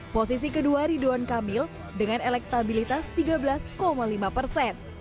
posisi kedua ridwan kamil dengan elektabilitas tiga belas lima persen